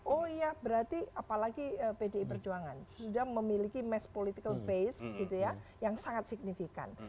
oh iya berarti apalagi pdi perjuangan sudah memiliki mass political base gitu ya yang sangat signifikan